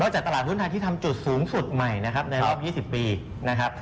นอกจากตลาดรุ่นทางที่ทำจุดสูงสุดใหม่ในรอบ๒๐ปี